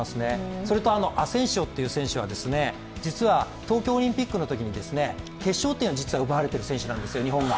それと、アセンシオという選手は、実は東京オリンピックのときに決勝点を日本が奪われている選手なんですよ。